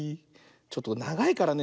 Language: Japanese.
ちょっとながいからね